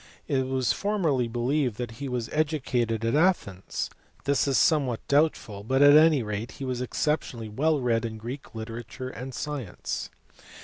It was formerly believed that he was educated at Athens : this is somewhat doubtful, but at any rate he was exceptionally well read in Greek literature and science.